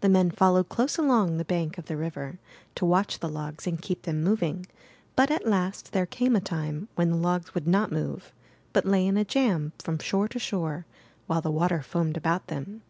The men followed close along the bank of the river, to watch the logs and keep them moving; but at last there came a time when the logs would not move, but lay in a jam from shore to shore while the water foamed about them.